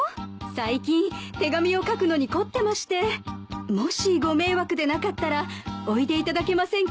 最近手紙を書くのに凝ってましてもしご迷惑でなかったらおいでいただけませんか？